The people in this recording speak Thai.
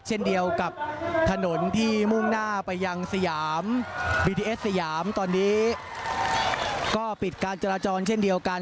เช่นเดียวกับถนนที่มุ่งหน้าไปยังสยามบีทีเอสสยามตอนนี้ก็ปิดการจราจรเช่นเดียวกัน